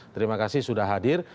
terima kasih sudah hadir